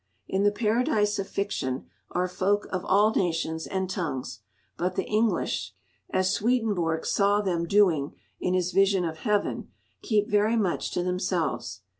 In the Paradise of Fiction are folk of all nations and tongues; but the English (as Swedenborg saw them doing in his vision of Heaven) keep very much to themselves.